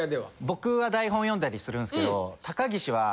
僕は台本読んだりするんすけど。